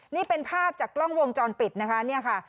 นี่เป็นภาพจากกล้องวงจรปิดนะคะ